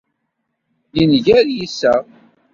Yenger yisseɣ